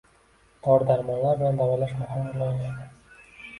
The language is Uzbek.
Dori-darmonlar bilan davolash muhim rol o‘ynaydi.